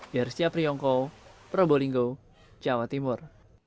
dersia priyongko prabowo linggo jawa timur